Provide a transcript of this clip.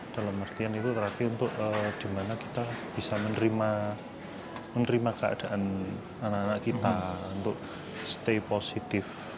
dalam artian itu terapi untuk dimana kita bisa menerima keadaan anak anak kita untuk stay positif